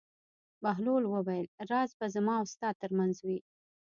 بهلول وویل: راز به زما او ستا تر منځ وي.